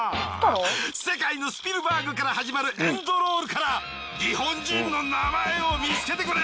世界のスピルバーグから始まるエンドロールから日本人の名前を見つけてくれ。